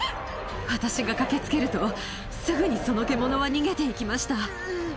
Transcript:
私が駆けつけると、すぐにその獣は逃げていきました。